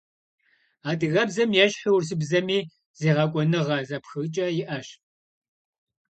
Адыгэбзэм ещхьу урысыбзэми зегъэкӏуэныгъэ зэпхыкӏэ иӏэщ.